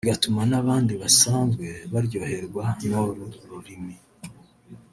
bagatuma n’abandi basanzwe baryoherwa n’uru rurimi